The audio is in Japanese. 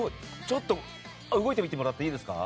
動いてみてもらっていいですか。